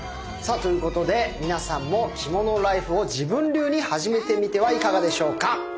さあということで皆さんも着物ライフを自分流に始めてみてはいかがでしょうか。